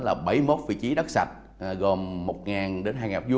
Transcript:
là bảy mươi một vị trí đất sạch